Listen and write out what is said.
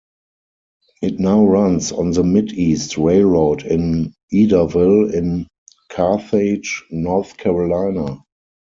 It now runs on the Mideast Railroad in Ederville in Carthage, North Carolina.